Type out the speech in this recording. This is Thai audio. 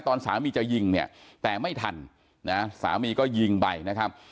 ตอนสามีจะยิงเนี่ยแต่ไม่ทันนะสามีก็ยิงไปนะครับ